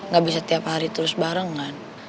gak bisa tiap hari terus bareng kan